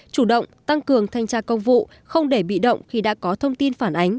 chủ động tăng cường thanh tra công vụ không để bị động khi đã có thông tin phản ánh